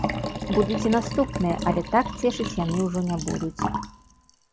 Будуць і наступныя, але так цешыць яны ўжо не будуць.